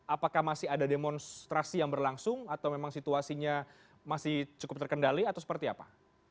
apakah masih ada demonstrasi yang berlangsung atau memang situasinya masih cukup terkendali atau seperti apa